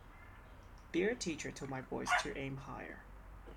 Their teacher told my boys to aim higher.